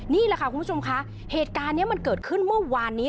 นี่แหละค่ะคุณผู้ชมค่ะเหตุการณ์นี้มันเกิดขึ้นเมื่อวานนี้